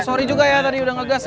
sorry juga ya tadi udah ngegas ya